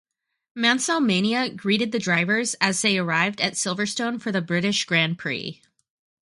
Mansell-Mania greeted the drivers as they arrived at Silverstone for the British Grand Prix.